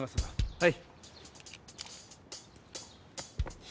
はい。